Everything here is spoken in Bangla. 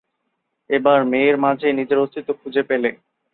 এবার মেয়ের মাঝেই নিজের অস্তিত্ব খুঁজে পেলে।